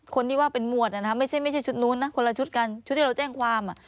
คนที่ว่าเป็นหมวดไม่ใช่ชุดนู้นนะคนละชุดกันชุดที่เราแจ้งความ